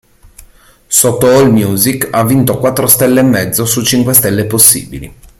Sotto AllMusic ha vinto quattro stelle e mezzo su cinque stelle possibili.